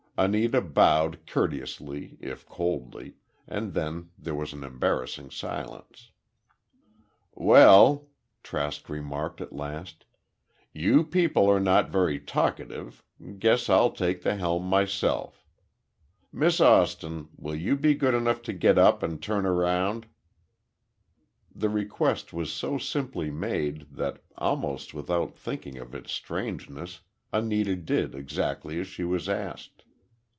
Anita bowed courteously if coldly, and then there was an embarrassing silence. "Well," Trask remarked, at last, "you people are not very talkative, guess I'll take the helm myself. Miss Austin, will you be good enough to get up and turn around?" The request was so simply made, that, almost without thinking of its strangeness, Anita did exactly as she was asked.